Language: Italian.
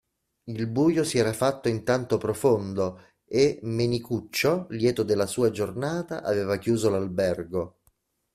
Il buio si era fatto intanto profondo e Menicuccio lieto della sua giornata, aveva chiuso l'albergo.